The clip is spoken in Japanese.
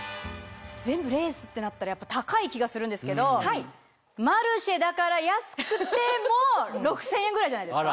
全部レースってなったらやっぱ高い気がするんですけど『マルシェ』だから安くても６０００円ぐらいじゃないですか？